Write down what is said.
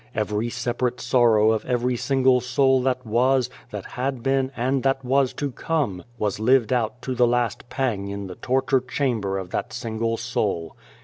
Every separate sorrow of every single soul that was, that had been, and that was to come, was lived out to the last pang in the torture chamber of that single soul.